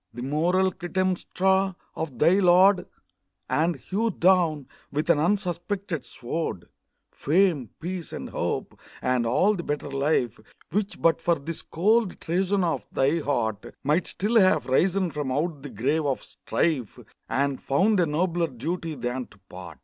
The moral Clytemnestra of thy lord, And hewed down, with an unsuspected sword, Fame, peace, and hope and all the better life Which, but for this cold treason of thy heart, Might still have risen from out the grave of strife, And found a nobler duty than to part.